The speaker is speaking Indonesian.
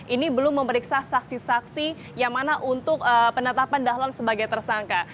ini belum memeriksa saksi saksi yang mana untuk penetapan dahlan sebagai tersangka